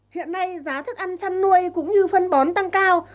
hiện nay giá thức ăn chăn nuôi cũng như phân bón tăng cao